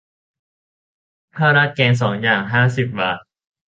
ข้าวราดแกงสองอย่าง ห้าสิบบาท